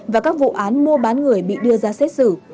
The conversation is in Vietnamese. và các vụ án mua bán người bị đưa ra xét xử